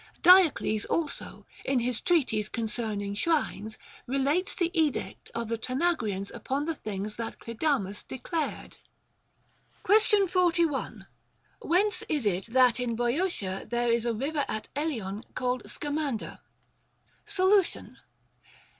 Diocles also, in his Treatise concerning Shrines, relates the edict of the Tana grians upon the things that Clidamus declared. Question 41. Whence is it that in Boeotia there is a river at Eleon called Scamander ? Solution.